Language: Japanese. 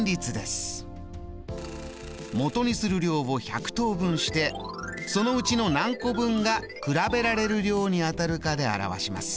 もとにする量を１００等分してそのうちの何個分が比べられる量に当たるかで表します。